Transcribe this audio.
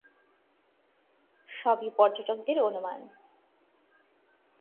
সবই পর্যটকদের অনুমান।